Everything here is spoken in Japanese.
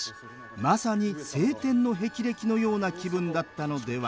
まさに青天の霹靂のような気分だったのでは？